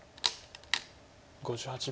５８秒。